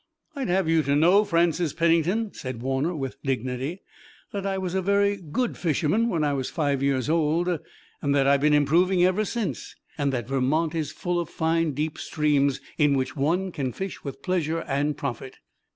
"I'd have you to know, Francis Pennington," said Warner, with dignity, "that I was a very good fisherman when I was five years old, and that I've been improving ever since, and that Vermont is full of fine deep streams, in which one can fish with pleasure and profit.